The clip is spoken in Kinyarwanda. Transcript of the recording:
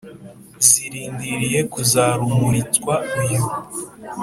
zirindiriye kuzarumuritswa uyu.